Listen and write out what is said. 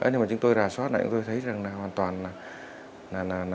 nhưng mà chúng tôi ra soát lại chúng tôi thấy rằng là hoàn toàn là